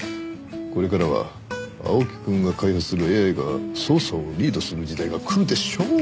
「これからは青木くんが開発するＡＩが捜査をリードする時代が来るでしょう！」